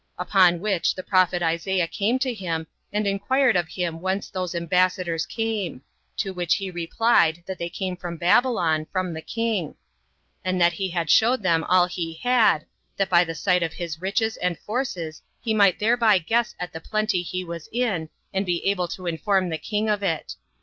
Upon which the prophet Isaiah came to him, and inquired of him whence those ambassadors came; to which he replied, that they came from Babylon, from the king; and that he had showed them all he had, that by the sight of his riches and forces he might thereby guess at [the plenty he was in], and be able to inform the king of it.